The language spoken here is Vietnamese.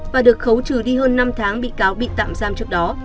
và được khấu trừ đi hơn năm tháng bị cáo bị tạm giam trước đó